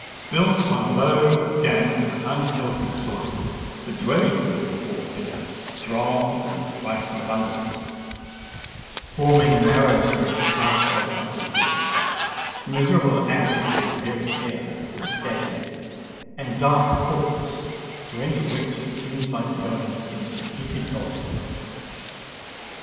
Built upon a low, damp, and unhealthy soil, the dwellings of the poor there throng in frightful abundance,—forming narrow streets half choked up with dirt, miserable alleys where the very air is stagnant, and dark courts, to enter which seems like going into the fœtid vault of a church.